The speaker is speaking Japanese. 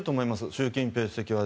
習近平主席は。